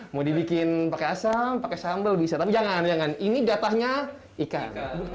mau dibikin pakai asam pakai sambal bisa tapi jangan jangan ini jatahnya ikan